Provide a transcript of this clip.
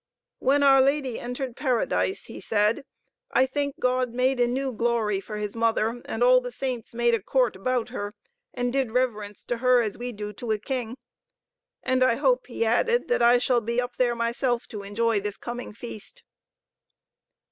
"When our Lady entered paradise," he said, "I think God made a new glory for His Mother, and all the saints made a court about her and did reverence to her as we do to a king. And I hope," he added; "that I shall be up there myself to enjoy this coming feast."